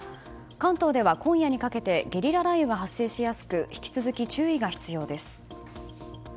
関東では今夜にかけてゲリラ雷雨が発生しやすく引き続き注意が必要です。